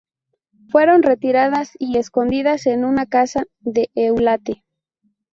Fueron retiradas y escondidas en una casa de Eulate.